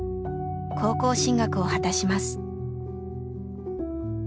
高校進学を果たします。